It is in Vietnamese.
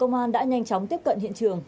công an đã nhanh chóng tiếp cận hiện trường